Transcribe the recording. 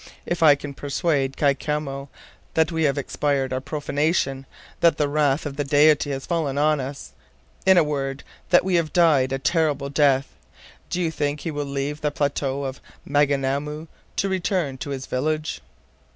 If I can persuade Kai Koumou that we have expiated our profanation, that the wrath of the Deity has fallen on us: in a word, that we have died a terrible death, do you think he will leave the plateau of Maunganamu to return to his village?"